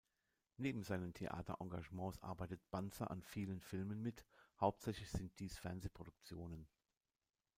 Neben seinen Theaterengagements arbeitet Bantzer an vielen Filmen mit, hauptsächlich sind dies Fernsehproduktionen.